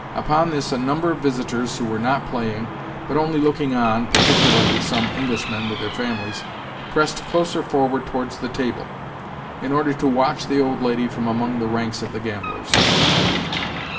Upon this a number of visitors who were not playing, but only looking on (particularly some Englishmen with their families), pressed closer forward towards the table, in order to watch the old lady from among the ranks of the gamblers.